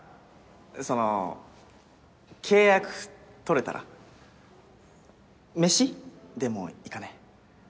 その契約取れたら飯でも行かね？